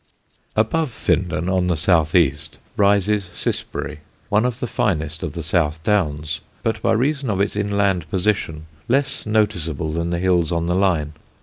Above Findon on the south east rises Cissbury, one of the finest of the South Downs, but, by reason of its inland position, less noticeable than the hills on the line.